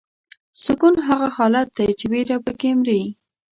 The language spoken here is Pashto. سکون هغه حالت دی چې ویره پکې مري.